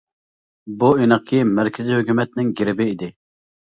بۇ ئېنىقكى مەركىزى ھۆكۈمەتنىڭ گېربى ئىدى.